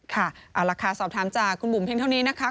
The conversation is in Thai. ค่ะเอาล่ะค่ะสอบถามจากคุณบุ๋มเพียงเท่านี้นะคะ